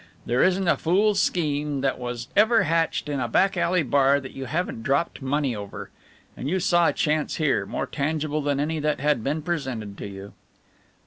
There isn't a fool's scheme that was ever hatched in a back alley bar that you haven't dropped money over. And you saw a chance here, more tangible than any that had been presented to you."